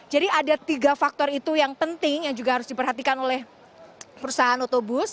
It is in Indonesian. jadi ada tiga faktor itu yang penting yang juga harus diperhatikan oleh perusahaan otobus